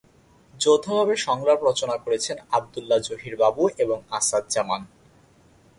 যৌথভাবে সংলাপ রচনা করেছেন আবদুল্লাহ জহির বাবু এবং আসাদ জামান।